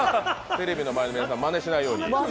テレビの前の皆さん、まねしないように。